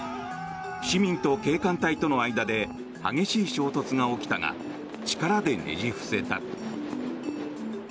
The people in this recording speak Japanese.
市民と警官隊との間で激しい衝突が起きたが力でねじ伏せた。